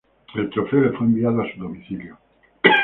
El trofeo le fue enviado a su domicilio.